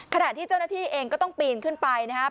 ขณะที่เจ้าหน้าที่เองก็ต้องปีนขึ้นไปนะครับ